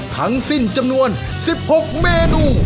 ทั้งสิ้นจำนวน๑๖เมนู